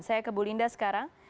saya ke bu linda sekarang